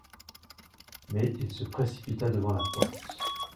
Mais il se précipita devant la porte.